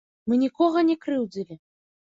Мы нікога не крыўдзілі.